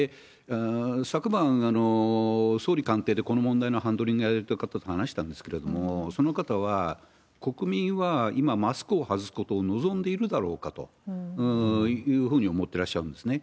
昨晩、総理官邸でこの問題のハンドリングをやる方と話したんですけれども、その方は、国民は今、マスクを外すことを望んでいるだろうかというふうに思ってらっしゃるんですね。